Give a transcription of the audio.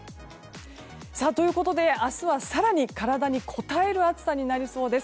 ということで、明日は更に体にこたえる暑さになりそうです。